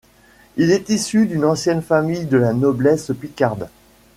Il est issu d'une ancienne famille de la noblesse picarde.